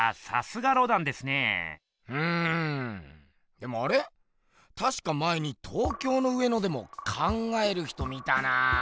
でもあれ⁉たしか前に東京の上野でも「考える人」見たな。